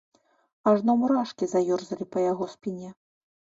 Ажно мурашкі заёрзалі па яго спіне.